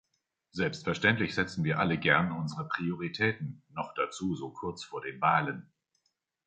Selbstverständlich setzen wir alle gern unsere Prioritäten, noch dazu so kurz vor den Wahlen.